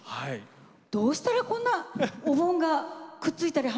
どうしたらこんなお盆がくっついたり離れたりするんですか？